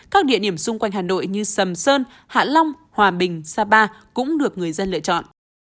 các địa điểm xung quanh hà nội như sầm sơn hạ long hòa bình sa ba cũng được người dân lựa chọn